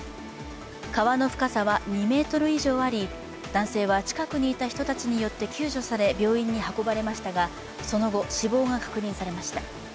川の深さは２ｍ以上あり男性は近くにいた人たちによって救助され、病院に運ばれましたが、その後、死亡が確認されました。